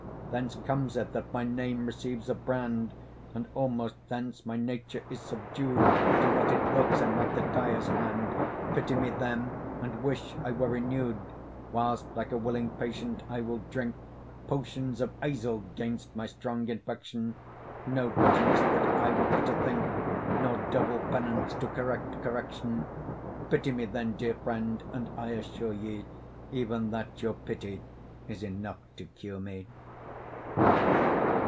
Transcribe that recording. Thence comes it that my name receives a brand, And almost thence my nature is subdu'd To what it works in, like the dyer's hand: Pity me, then, and wish I were renew'd; Whilst, like a willing patient, I will drink, Potions of eisel 'gainst my strong infection; No bitterness that I will bitter think, Nor double penance, to correct correction. Pity me then, dear friend, and I assure ye, Even that your pity is enough to cure me.